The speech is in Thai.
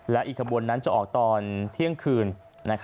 และอีกขบวนนั้นจะออกตอนเที่ยงคืน